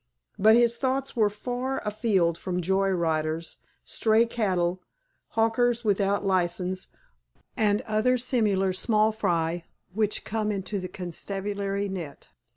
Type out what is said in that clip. But his thoughts were far a field from joyriders, stray cattle, hawkers without licenses, and other similar small fry which come into the constabulary net.